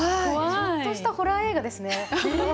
ちょっとしたホラー映画ですね。